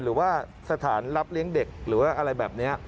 หรือว่าสถานรับเลี้ยงเด็กหรือว่าอะไรแบบนี้